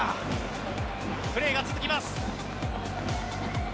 プレーが続きます。